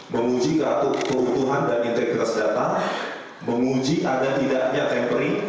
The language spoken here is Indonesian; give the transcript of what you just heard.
menguji peruntuhan dan integritas data menguji ada tidaknya temporary